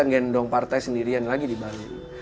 gendong partai sendirian lagi di bali